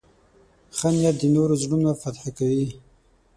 ښه نیت د نورو زړونه فتح کوي.